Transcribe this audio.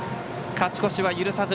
勝ち越しは許さず。